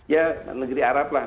ya negeri arab lah